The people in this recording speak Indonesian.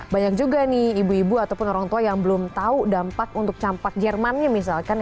banyak juga nih ibu ibu ataupun orang tua yang belum tahu dampak untuk campak jermannya misalkan